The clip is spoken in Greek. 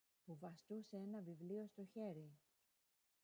που βαστούσε ένα βιβλίο στο χέρι.